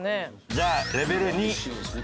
じゃあレベル２。